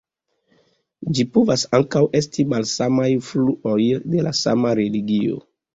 Ĝi povas ankaŭ esti malsamaj fluoj de la sama religio.